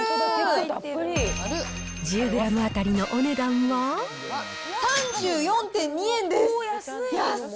１０グラム当たりのお値段は３４．２円です。